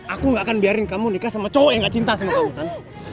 aku gak akan biarin kamu nikah sama cowok yang gak cinta sama kautan